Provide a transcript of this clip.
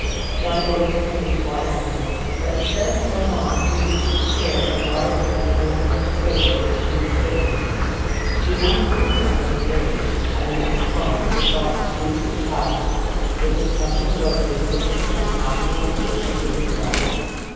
Dinah looked at him inquiringly, but instead of going on, he reached a chair and brought it near the corner of the table where she was sitting. She wondered, and was afraid—and the next moment her thoughts flew to the past: was it something about those distant unhappy ones that she didn't know?